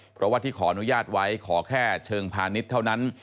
เพราะว่าที่ขออนุญาตไว้ขอแค่เชิงพาณิชย์เท่านั้น